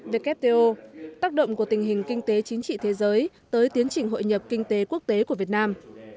wto tác động của tình hình kinh tế chính trị thế giới tới tiến trình hội nhập kinh tế quốc tế của việt nam